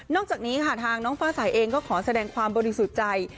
นอกจากนี้ทางฟ้าสายเองก็ขอแสดงความบริสุจัย